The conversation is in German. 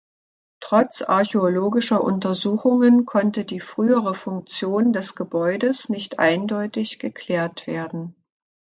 Trotz archäologischer Untersuchungen konnte die frühere Funktion des Gebäudes nicht eindeutig geklärt werden.